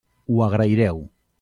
Ho agraireu.